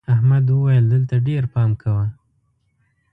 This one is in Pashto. احمد وويل: دلته ډېر پام کوه.